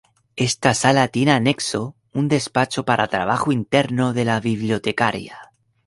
Esta Sala tiene anexo un despacho para trabajo interno de la bibliotecaria.